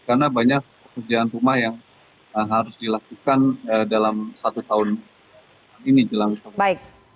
karena banyak pekerjaan rumah yang harus dilakukan dalam satu tahun ini